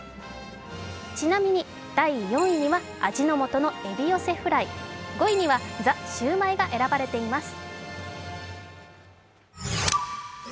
ちなみに第４位には味の素のエビ寄せフライ、５位にはザ★シュウマイが選ばれています。